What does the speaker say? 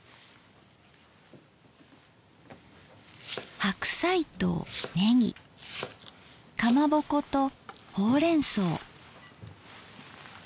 白菜とねぎかまぼことほうれんそう。